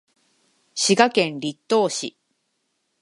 滋賀県栗東市